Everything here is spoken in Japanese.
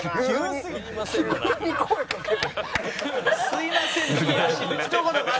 すいませんとか。